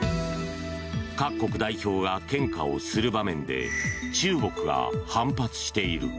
各国代表が献花をする場面で中国が反発している。